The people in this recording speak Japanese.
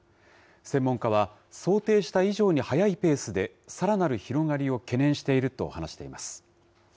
専門家は、想定した以上に速いペースで、さらなる広がりを懸念していると話しています。